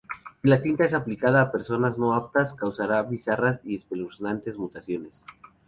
Si la tinta es aplicada a personas no aptas, causara bizarras y espeluznantes mutaciones.